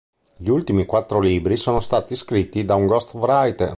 Gli ultimi quattro libri sono stati scritti da un ghostwriter.